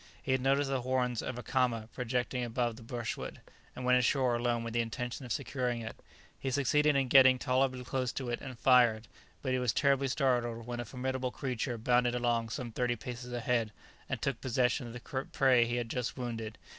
He had noticed the horns of a caama projecting above the brushwood, and went ashore alone with the intention of securing it. He succeeded in getting tolerably close to it and fired, but he was terribly startled when a formidable creature bounded along some thirty paces ahead, and took possession of the prey he had just wounded.